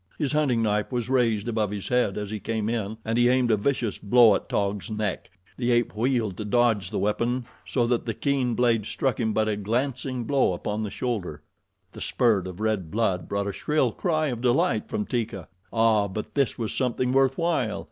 His hunting knife was raised above his head as he came in, and he aimed a vicious blow at Taug's neck. The ape wheeled to dodge the weapon so that the keen blade struck him but a glancing blow upon the shoulder. The spurt of red blood brought a shrill cry of delight from Teeka. Ah, but this was something worth while!